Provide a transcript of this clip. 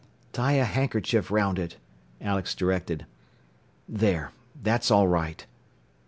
"Tie a handkerchief round it," Alex directed. "There. That's all right.